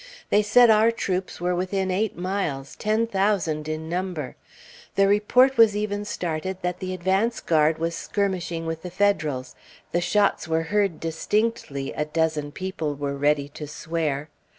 They said our troops were within eight miles, ten thousand in number. The report was even started that the advance guard was skirmishing with the Federals; the shots were heard distinctly, a dozen people were ready to swear.